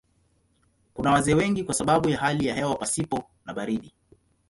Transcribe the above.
Kuna wazee wengi kwa sababu ya hali ya hewa pasipo na baridi.